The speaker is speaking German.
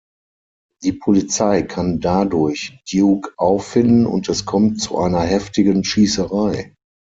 Die Polizei kann dadurch Duke auffinden und es kommt zu einer heftigen Schießerei.